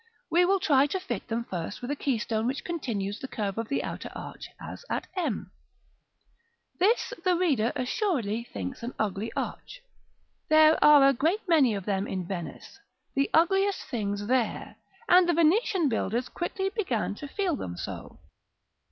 We will try to fit them first with a keystone which continues the curve of the outer arch, as at m. This the reader assuredly thinks an ugly arch. There are a great many of them in Venice, the ugliest things there, and the Venetian builders quickly began to feel them so.